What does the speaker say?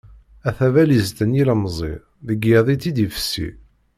A tabalizt n yilemẓi, deg yiḍ i tt-id-ifessi.